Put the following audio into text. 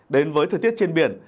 đến với thời tiết trên biển